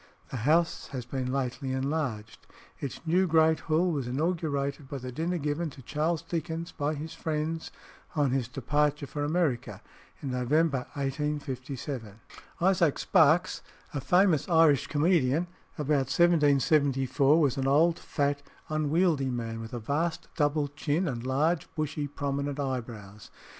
The house has been lately enlarged. Its new great Hall was inaugurated by the dinner given to Charles Dickens by his friends on his departure for America in November 1857. Isaac Sparkes, a famous Irish comedian about 1774, was an old, fat, unwieldy man, with a vast double chin, and large, bushy, prominent eyebrows.